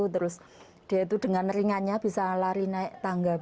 terus dia itu dengan ringannya bisa lari naik tangga